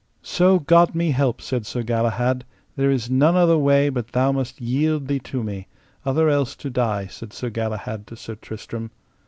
So God me help, said Sir Galahad, there is none other way but thou must yield thee to me, other else to die, said Sir Galahad to Sir Tristram.